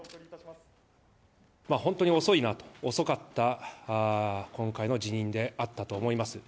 本当に遅いなと、遅かった、今回の辞任であったと思います。